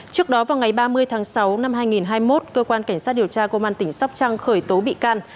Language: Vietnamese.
trước đó vào ngày ba mươi tháng sáu năm hai nghìn hai mươi một cơ quan cảnh sát điều tra công an tỉnh sóc trăng khởi tố bị can